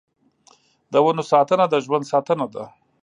د ونو ساتنه د ژوند ساتنه ده.